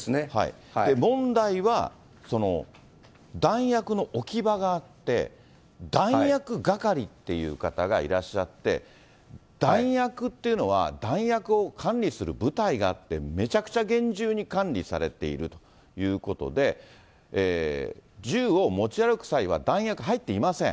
問題は、弾薬の置き場があって、弾薬係っていう方がいらっしゃって、弾薬っていうのは、弾薬を管理する部隊があって、めちゃくちゃ厳重に管理されているということで、銃を持ち歩く際は、弾薬入っていません。